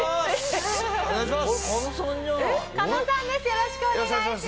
よろしくお願いします。